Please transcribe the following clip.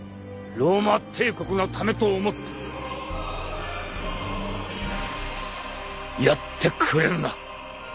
ローマ帝国のためと思ってやってくれるな？